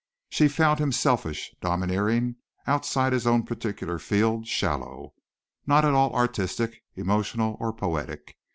She found him selfish, domineering, outside his own particular field shallow, not at all artistic, emotional, or poetic.